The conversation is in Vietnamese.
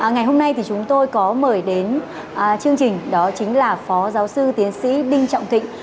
ngày hôm nay thì chúng tôi có mời đến chương trình đó chính là phó giáo sư tiến sĩ đinh trọng thịnh